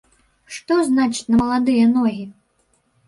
Што значыць на маладыя ногі?